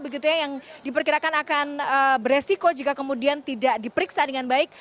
begitu ya yang diperkirakan akan beresiko jika kemudian tidak diperiksa dengan baik